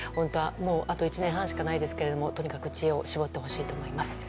あと１年半しかないですけどとにかく知恵を絞ってほしいと思います。